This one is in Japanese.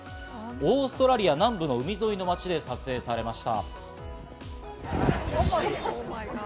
オーストラリア南部の海沿いの街で撮影されました。